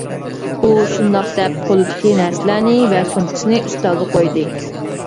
ئۇ شۇنداق دەپ قولىدىكى نەرسىلەرنى ۋە سومكىسىنى ئۈستەلدە قويدى.